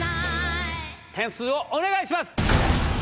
点数をお願いします！